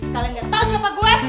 kalau gak tau siapa gue